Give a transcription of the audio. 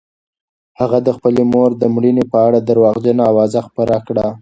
هغه د خپلې مور د مړینې په اړه درواغجنه اوازه خپره کړه.